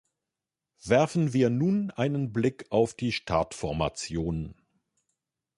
Werfen wir nun einen Blick auf die Startformation!